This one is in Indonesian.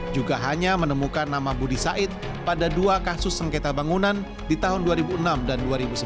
juga hanya menemukan nama budi said pada dua kasus sengketa bangunan di tahun dua ribu enam dan dua ribu sebelas